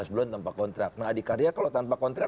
delapan belas bulan tanpa kontrak nah adik karya kalau tanpa kontrak